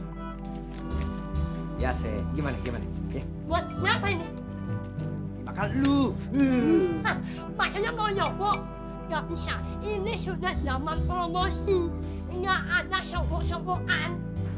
gak bisa ini sudah zaman promosi enggak ada sobok sobok an